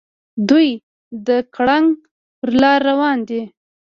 دوي د ګړنګ پر لار راروان دي.